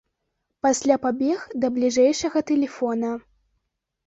Пасля пабег да бліжэйшага тэлефона.